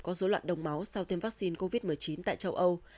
có dỗ loạn đông máu sau tiêm vaccine covid một mươi chín tại châu âu